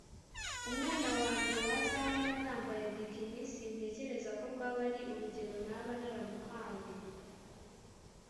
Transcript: umwana wanjye wazabona nambaye bikini sintekereza ko rwaba ari urugero naba naramuhaye